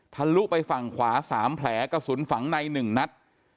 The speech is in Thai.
ลุไปฝั่งขวา๓แผลกระสุนฝังใน๑นัด